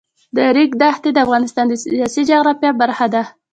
د ریګ دښتې د افغانستان د سیاسي جغرافیه برخه ده.